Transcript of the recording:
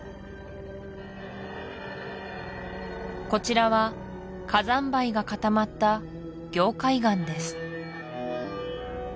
こちらは火山灰が固まった凝灰岩です